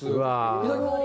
いただきます。